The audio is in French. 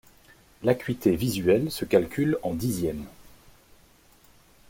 L'acuité visuelle se calcule en dixièmes.